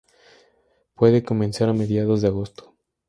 Puede comenzar a mediados de agosto.